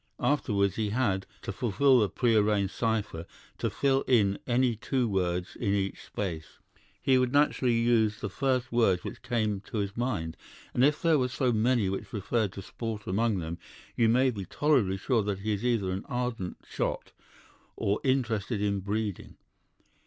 Afterwards he had, to fulfill the prearranged cipher, to fill in any two words in each space. He would naturally use the first words which came to his mind, and if there were so many which referred to sport among them, you may be tolerably sure that he is either an ardent shot or interested in breeding.